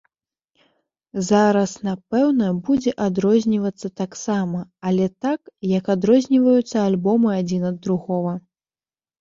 Зараз напэўна будзе адрознівацца таксама, але так, як адрозніваюцца альбомы адзін ад другога.